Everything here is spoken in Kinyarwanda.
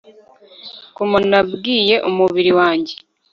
guma, nabwiye umubiri wanjye